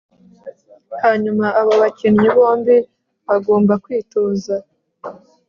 hanyuma abo bakinnyi bombi bagomba kwitoza